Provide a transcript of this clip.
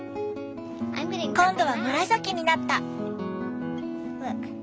今度は紫になった！